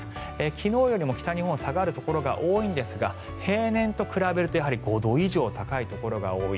昨日よりも北日本は下がるところが多いんですが平年と比べると５度以上高いところが多い。